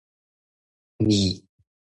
覕